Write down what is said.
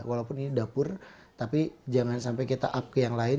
walaupun ini dapur tapi jangan sampai kita up ke yang lain